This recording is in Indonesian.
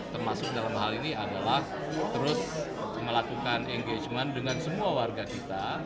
termasuk dalam hal ini adalah terus melakukan engagement dengan semua warga kita